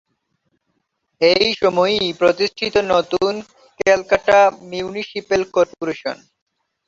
এই সময়ই প্রতিষ্ঠিত নতুন ‘ক্যালকাটা মিউনিসিপ্যাল কর্পোরেশন’।